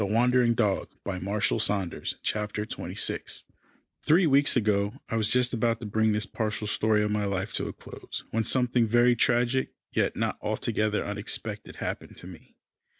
CHAPTER XXVI THE MOST PAINFUL EVENT OF MY LIFE Three weeks ago, I was just about to bring this partial story of my life to a close, when something very tragic, yet not altogether unexpected, happened to me.